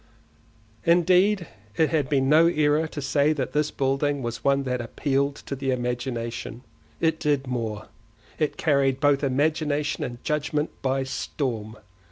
Indeed it had been no error to say that this building was one that appealed to the imagination; it did more—it carried both imagination and judgement by storm.